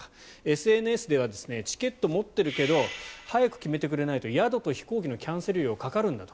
ＳＮＳではチケットを持っているけど早く決めてくれないと宿と飛行機のキャンセル料がかかるんだと。